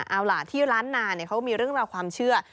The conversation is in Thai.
เอาล่ะที่ร้านนาเขามีเรื่องราวความเชื่อ